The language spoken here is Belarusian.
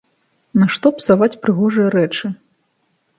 Нашто псаваць прыгожыя рэчы!